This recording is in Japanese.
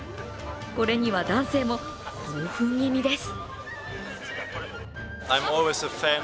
これには男性も興奮気味です。